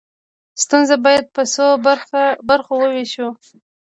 ستونزه باید په څو برخو وویشو.